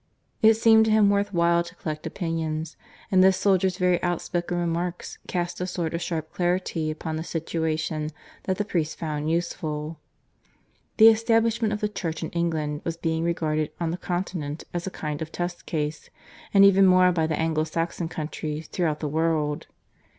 It seemed to him worth while to collect opinions; and this soldier's very outspoken remarks cast a sort of sharp clarity upon the situation that the priest found useful. The establishment of the Church in England was being regarded on the Continent as a kind of test case; and even more by the Anglo Saxon countries throughout the world.